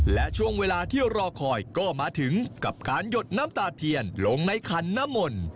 และช่วงเวลาที่รอคอยก็มาถึงกับการหยดน้ำตาเทียนลงในขันน้ำมนต์